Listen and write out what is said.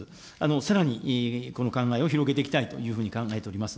さらにこの考えを広げていきたいというふうに考えております。